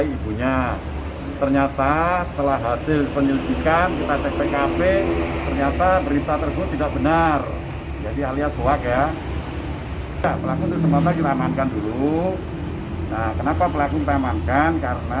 ibu ingat air usok